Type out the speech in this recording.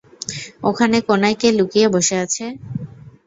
ওখানে কোণায় কে লুকিয়ে বসে আছে?